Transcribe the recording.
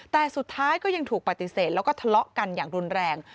แต่สุดท้ายก็ยังถูกปฏิเสธแล้วก็ทะเลาะกันอย่างรุนแรง